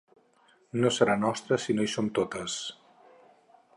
No serà nostre si no hi som totes.